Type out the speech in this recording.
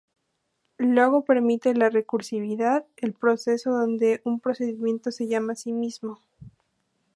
Logo permite la recursividad, el proceso donde un procedimiento se llama a sí mismo.